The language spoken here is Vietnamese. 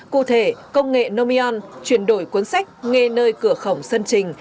cụ thể công nghệ nomion chuyển đổi cuốn sách nghe nơi cửa khẩu sân trình